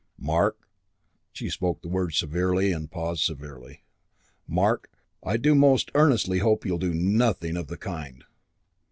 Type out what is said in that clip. "Mark." She spoke the word severely and paused severely. "Mark. I do most earnestly hope you'll do nothing of the kind."